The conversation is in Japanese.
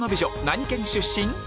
何県出身？